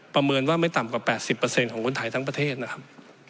ประเมินว่าไม่ต่ำกว่า๘๐ของคนไทยทั้งประเทศนะครับ